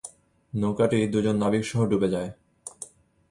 নৌকাটি দু'জন নাবিকসহ ডুবে যায়।